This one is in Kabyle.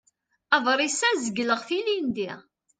Aḍris-a zegleɣ-t ilindi.